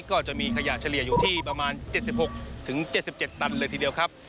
ก็จะมีขยะเฉลี่ยอยู่ที่ประมาณ๗๖๗๗ตันเลยทีเดียวครับ